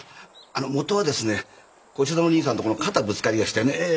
あの元はですねこちらのにいさんと肩ぶつかりやしてねぇ。